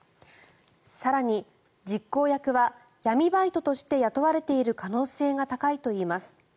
更に実行役は闇バイトとして雇われている可能性が高いといいます。